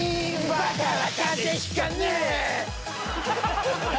バカは風邪ひかねえ！